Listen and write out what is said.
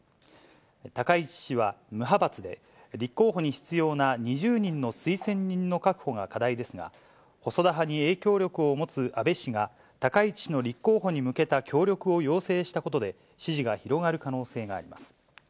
高市氏は無派閥で、立候補に必要な２０人の推薦人の確保が課題ですが、細田派に影響力を持つ安倍氏が、高市氏の立候補に向けた協力を要請したことで支持が広がる可能性があります。